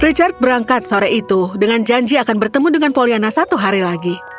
richard berangkat sore itu dengan janji akan bertemu dengan poliana satu hari lagi